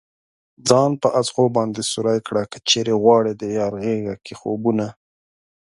ځان په ازغو باندې سوری كړه كه چېرې غواړې ديار غېږه كې خوبونه